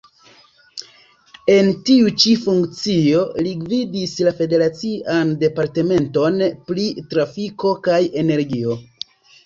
En tiu-ĉi funkcio li gvidis la Federacian Departementon pri Trafiko kaj Energio.